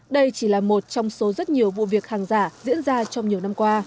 đây chỉ là một trong số rất nhiều vụ việc hàng giả diễn ra trong nhiều năm qua